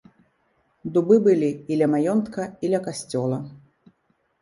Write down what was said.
Дубы былі і ля маёнтка, і ля касцёла.